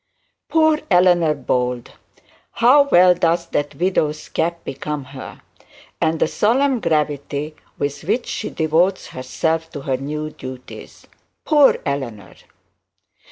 Poor Eleanor Bold! How well does that widow's cap become her, and the solemn gravity with which she devotes to her new duties. Poor Eleanor!